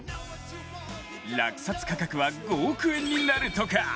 落札価格は５億円になるとか。